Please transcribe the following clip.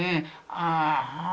ああ。